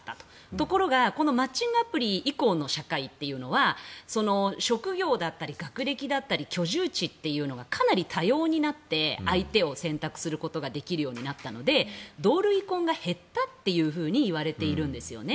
ところがマッチングアプリ以降の社会っていうのは職業だったり学歴だったり居住地というのがかなり多様になって相手を選択できるようになったので同類婚が減ったというふうにいわれているんですよね。